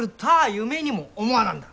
夢にも思わなんだ。